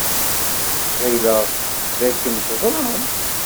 Ɣileɣ dakken teẓram.